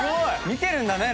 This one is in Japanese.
見てるんだね